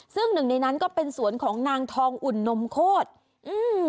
ซึ่งหนึ่งในนั้นก็เป็นสวนของนางทองอุ่นนมโคตรอืม